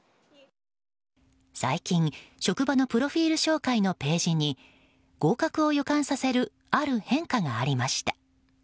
最近、職場のプロフィール紹介のページに合格を予感させるある変化がありました。